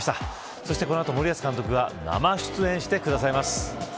そして、この後森保監督が生出演してくださいます。